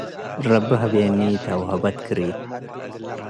ረቢ ሀቤኒታ ወሀበት-ክሪት